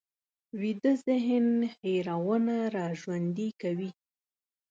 ویده ذهن هېرونه راژوندي کوي